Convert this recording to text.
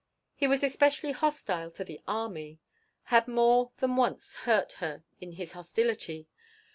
He was especially hostile to the army, had more than once hurt her in his hostility.